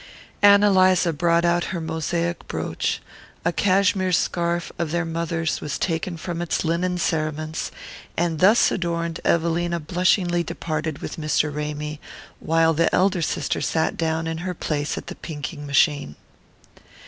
Ann Eliza brought out her mosaic brooch, a cashmere scarf of their mother's was taken from its linen cerements, and thus adorned Evelina blushingly departed with Mr. Ramy, while the elder sister sat down in her place at the pinking machine.